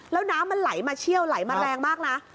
แล้วน้ำมันไหลมาเชี่ยวไหลมาแรงมากนะ